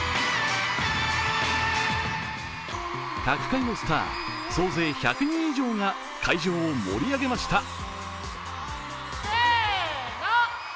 各界のスター、総勢１００人以上が会場を盛り上げました。